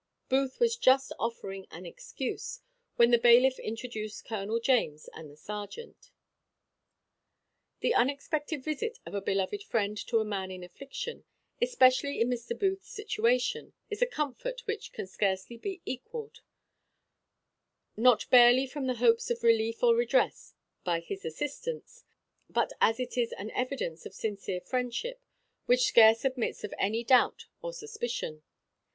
Booth was just offering at an excuse, when the bailiff introduced Colonel James and the serjeant. The unexpected visit of a beloved friend to a man in affliction, especially in Mr. Booth's situation, is a comfort which can scarce be equalled; not barely from the hopes of relief or redress by his assistance, but as it is an evidence of sincere friendship which scarce admits of any doubt or suspicion.